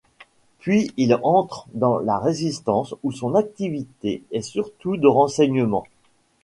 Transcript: Puis il entre dans la Résistance où son activité est surtout de renseignement.